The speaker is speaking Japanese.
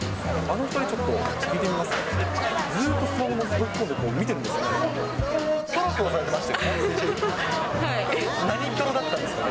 あの２人、ちょっと聞いてみますか。